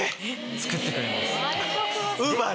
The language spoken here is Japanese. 作ってくれます。